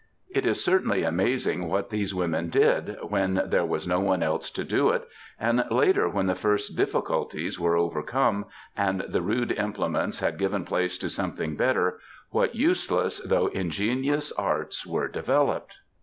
^ It is certainly amazing what these women did, when there was no one else to do it, ^ HacmiUan, 1899. 284 MEN, WOMEN, AND MINXES and later, when the first difficulties were overcome, and the rude implements had given place to something better, what useless though ingenious arts were developed